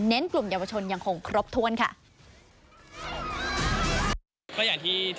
กลุ่มเยาวชนยังคงครบถ้วนค่ะ